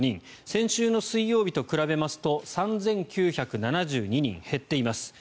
先週の水曜日と比べますと３９７２人減っています。